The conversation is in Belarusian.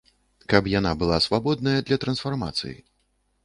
Каб яна была свабодная для трансфармацыі.